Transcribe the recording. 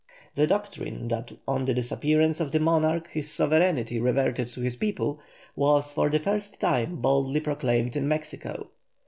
The doctrine that on the disappearance of the monarch his sovereignty reverted to his people, was for the first time boldly proclaimed in Mexico.